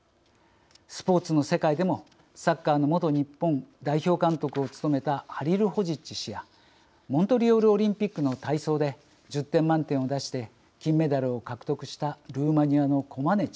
スポーツの世界でもサッカーの元日本代表監督を務めたハリルホジッチ氏やモントリオールオリンピックの体操で１０点満点を出して金メダルを獲得したルーマニアのコマネチ元選手。